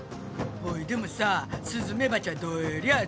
ほいでもさスズメバチはどえりゃあ